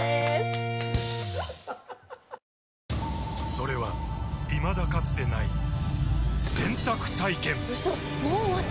それはいまだかつてない洗濯体験‼うそっ！